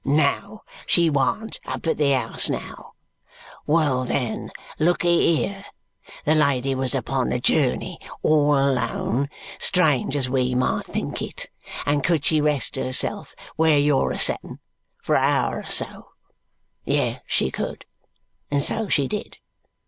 No, she warn't up at the house now. Well, then, lookee here. The lady was upon a journey all alone, strange as we might think it, and could she rest herself where you're a setten for a hour or so. Yes she could, and so she did.